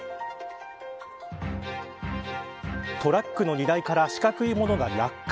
トラックの荷台から四角い物が落下。